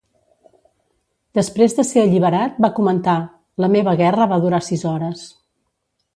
Després de ser alliberat, va comentar: "La meva guerra va durar sis hores".